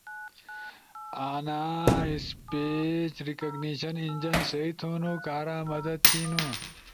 انا اسپیج ریکگنیشن انجن سیئی تھونو کارا مدد تھینو۔